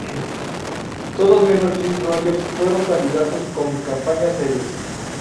Todos menos Jim Rogers fueron candidatos con campañas serias.